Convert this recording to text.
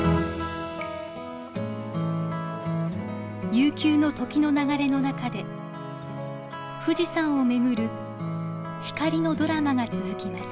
悠久の時の流れの中で富士山を巡る光のドラマが続きます。